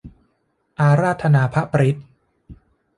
อาราธนาพระปริตร